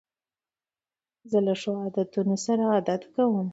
زه له ښو عادتو سره عادت کوم.